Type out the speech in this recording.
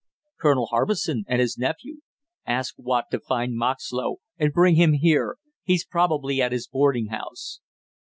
"Colonel Harbison and his nephew." "Ask Watt to find Moxlow and bring him here. He's probably at his boarding house."